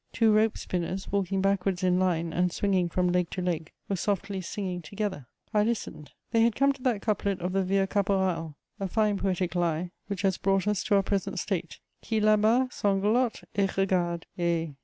Two rope spinners, walking backwards in line, and swinging from leg to leg, were softly singing together. I listened: they had come to that couplet of the Vieux caporal, a fine poetic lie, which has brought us to our present state: Qui là bas sanglote et regarde? Eh!